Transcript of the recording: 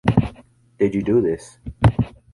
Did you do this?